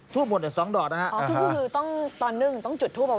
ถูปทั้ง๒ดอกหมด